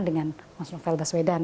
dengan mas novel baswedan